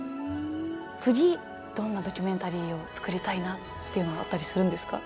次どんなドキュメンタリーを作りたいなっていうのはあったりするんですか？